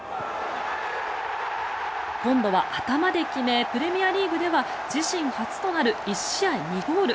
今度は頭で決めプレミアリーグでは自身初となる１試合２ゴール。